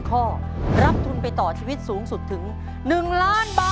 ข้อรับทุนไปต่อชีวิตสูงสุดถึง๑ล้านบาท